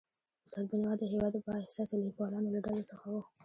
استاد بینوا د هيواد د با احساسه لیکوالانو له ډلې څخه و.